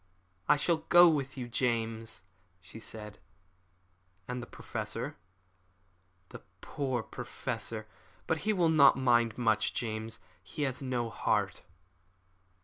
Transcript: "I shall go with you, James," she said. "And the Professor ?" "The poor Professor! But he will not mind much, James; he has no heart."